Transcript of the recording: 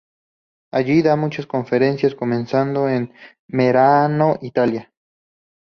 Allí da muchas conferencias, comenzando en Merano, Italia.